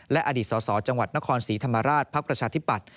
และอดีตสสจังหวัดนครศรีธรรมราชภักดิ์ประชาธิปัตย